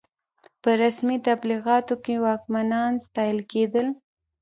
په رسمي تبلیغاتو کې واکمنان ستایل کېدل.